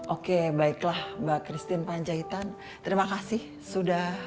oke baiklah mbak christine panjaitan terima kasih sudah